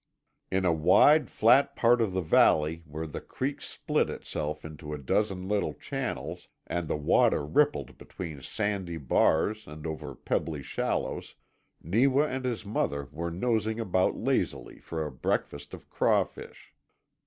In a wide, flat part of the valley where the creek split itself into a dozen little channels, and the water rippled between sandy bars and over pebbly shallows, Neewa and his mother were nosing about lazily for a breakfast of crawfish.